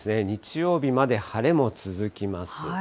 日曜日まで晴れも続きます。